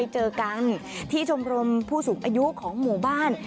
เจอกันที่ชมรมผู้สูงอายุของหมู่บ้าน